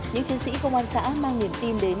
những chiến sĩ công an xã mang niềm tin đến